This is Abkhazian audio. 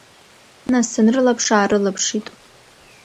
Нас сынрылаԥш-арылаԥшит.